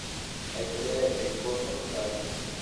La historia de Peach Bottom es larga.